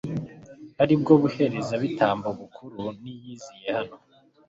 ari bwo ubuherezabitambo bukuru, niyiziye hano